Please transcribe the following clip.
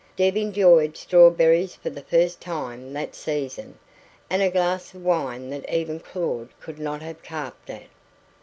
Deb enjoyed strawberries for the first time that season, and a glass of wine that even Claud could not have carped at.